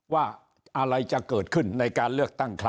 ว่าอะไรจะเกิดขึ้นในการเลือกตั้งครั้ง